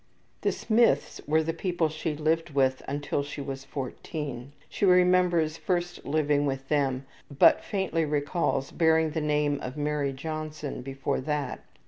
The Smiths were the people she lived with until she was 14. She remembers first living with them, but faintly recalls bearing the name of Mary Johnson before that.